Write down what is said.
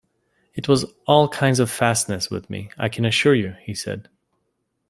‘It was all kinds of fastness with me, I can assure you!’ he said.